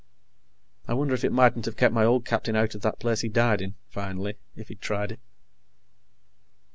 I wonder if it mightn't have kept my old captain out of that place he died in, finally, if he'd tried it.